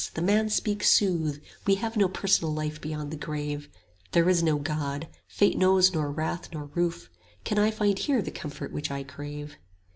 the man speaks sooth: We have no personal life beyond the grave; There is no God; Fate knows nor wrath nor ruth: Can I find here the comfort which I crave?